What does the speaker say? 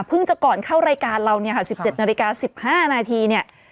จะก่อนเข้ารายการเราเนี่ยค่ะ๑๗นาฬิกา๑๕นาทีเนี่ย